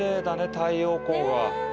太陽光が。